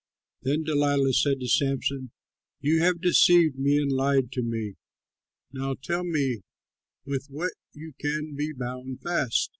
Then Delilah said to Samson, "You have deceived me and lied to me; now tell me with what you can be bound fast."